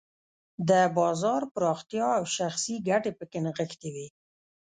د بازار پراختیا او شخصي ګټې پکې نغښتې وې.